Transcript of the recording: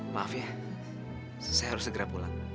maaf ya saya harus segera pulang